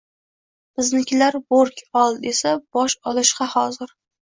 Biznikilar Bo‘rk ol! desa, bosh olishg‘a hozir